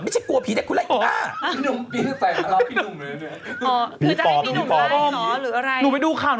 มัจ่ะกลัวผีไดคลุล่าอ่าน